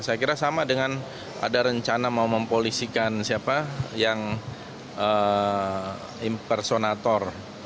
saya kira sama dengan ada rencana mau mempolisikan siapa yang impersonator